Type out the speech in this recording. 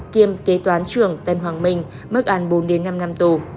kiêm kế toán trường tân hoàng minh mức án bốn năm năm tù